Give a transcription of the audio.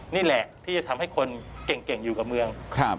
นี่แหละที่จะทำให้คนเก่งอยู่กับเมือง